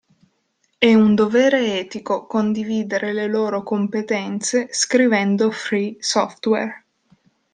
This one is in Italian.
È un dovere etico condividere le loro competenze scrivendo free software.